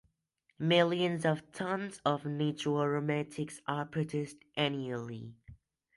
Millions of tons of nitroaromatics are produced annually.